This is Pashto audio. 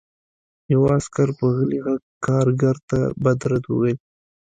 یوه عسکر په غلي غږ کارګر ته بد رد وویل